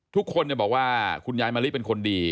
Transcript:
ทุกคนบอกว่าคุณยายมะลิเป็นคนดี